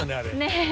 ねえ。